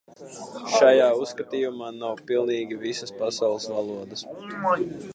Šajā uzskaitījumā nav pilnīgi visas pasaules valodas.